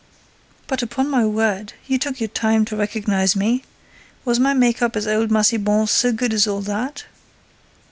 But, upon my word, you took your time to recognize me! Was my make up as old Massiban so good as all that?"